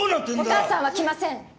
お母さんは来ません。